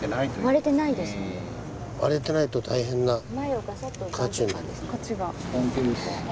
割れてないと大変な価値になりますね。